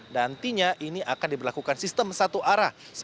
nantinya ini akan diberlakukan sistem satu arah